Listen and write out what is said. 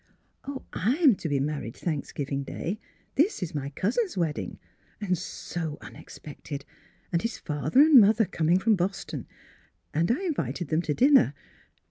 " Oh, I am to be married Thanksgiving Day. This is my cousin's wedding — and so unexpected; and his father and mother coming from Boston. And I in vited them to dinner.